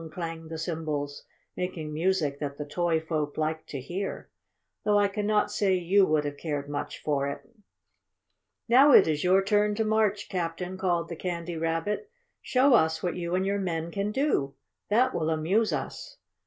clanged the cymbals, making music that the Toy Folk liked to hear, though I cannot say you would have cared much for it. "Now it is your turn to march, Captain!" called the Candy Rabbit. "Show us what you and your men can do. That will amuse us."